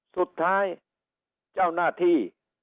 สุดท้ายเจ้าหน้าที่